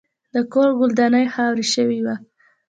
د کور ګلداني خاوره شوې وه.